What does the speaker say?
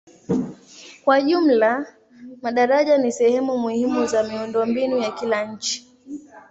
Kwa jumla madaraja ni sehemu muhimu za miundombinu ya kila nchi.